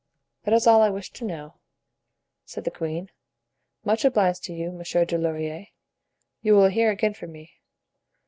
"That is all I wished to know," said the queen. "Much obliged to you, Monsieur Dulaurier. You will hear again from me."